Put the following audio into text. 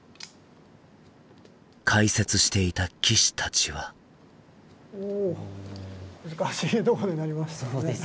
解説していた棋士たちはおお難しいとこで成りましたね。